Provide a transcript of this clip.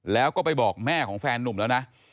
แล้วก็ไปบอกแม่ของแฟนนุ่มแล้วนะ